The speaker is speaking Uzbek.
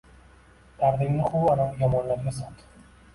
Dardingni huv ana yomonlarga sot